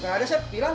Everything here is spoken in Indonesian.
gak ada sep bilang